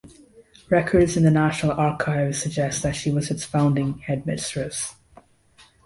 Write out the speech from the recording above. Records in The National Archives suggest that she was its founding headmistress.